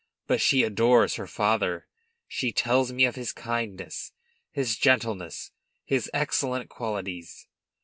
But she adores her father; she tells me of his kindness, his gentleness, his excellent qualities.